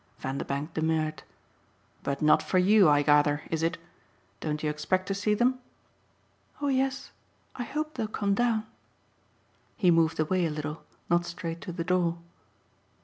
Vanderbank demurred. "But not for YOU, I gather is it? Don't you expect to see them?" "Oh yes I hope they'll come down." He moved away a little not straight to the door.